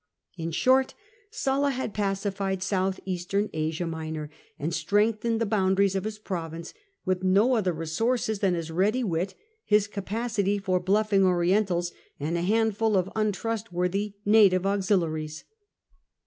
In short, Sulla had pacified South Eastern Asia Minor, and strengthened the boundaries of his province, with no other resources than his ready wit, his capacity for bluffing " Orientals, and a handful of untrustworthy native auxiliaries.